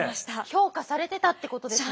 評価されてたってことですね！